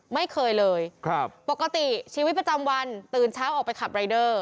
ไม่เคยเลยครับปกติชีวิตประจำวันตื่นเช้าออกไปขับรายเดอร์